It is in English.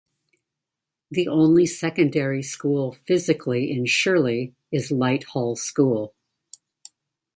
The only secondary school physically in Shirley is Light Hall School.